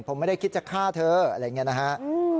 ผมไม่ได้คิดจะฆ่าเธออะไรอย่างนี้นะฮะ